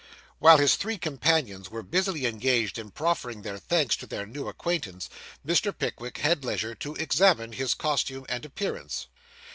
While his three companions were busily engaged in proffering their thanks to their new acquaintance, Mr. Pickwick had leisure to examine his costume and appearance.